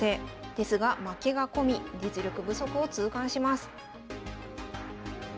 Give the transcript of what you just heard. ですが負けが込み実力不足を痛感します。